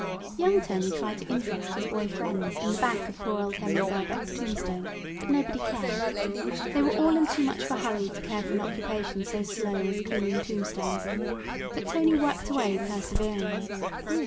Young Tony tried to interest his boy friends in the back of poor old Henry Birkbeck's tombstone, but nobody cared. They were all in too much of a hurry to care for an occupation so slow as cleaning tombstones, but Tony worked away perseveringly.